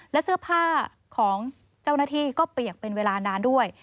และเสื้อผ้าของเจ้าหน้าที่ก็เปียกเป็นเวลานานด้วย